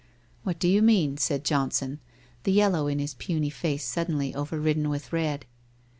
' What do you mean ?' said Johnson, the yellow in his puny face suddenly over ridden with red.